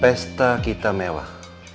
pesta kita mewah